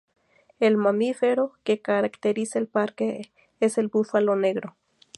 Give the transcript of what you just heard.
El mamífero que caracteriza al Parque es el búfalo negro.